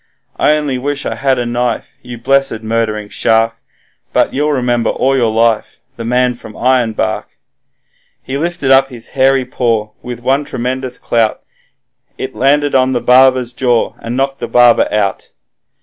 I only wish I had a knife, you blessed murdering shark! But you'll remember all your life, the man from Ironbark.' He lifted up his hairy paw, with one tremendous clout He landed on the barber's jaw, and knocked the barber out.